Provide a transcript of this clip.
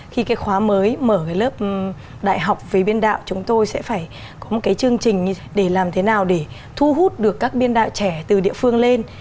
khi cái khóa mới mở cái lớp đại học về biên đạo chúng tôi sẽ phải có một cái chương trình để làm thế nào để thu hút được các biên đạo trẻ từ địa phương lên